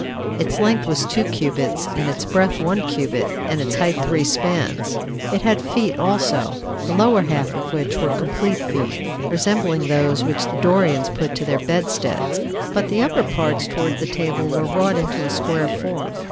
Its length was two cubits, and its breadth one cubit, and its height three spans. It had feet also, the lower half of which were complete feet, resembling those which the Dorians put to their bedsteads; but the upper parts towards the table were wrought into a square form.